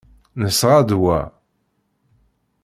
Nesɣa-d wa.